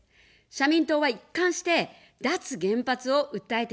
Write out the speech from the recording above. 社民党は、一貫して脱原発を訴えてきました。